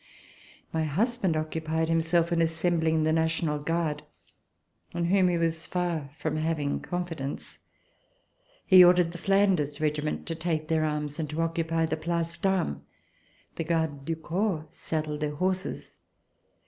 My husband occupied himself in assembling the National Guard, in whom he was far from having confidence. He ordered the Flanders Regiment to take their arms and to occupy the Place d'Armes. The Gardes du Corps saddled their horses.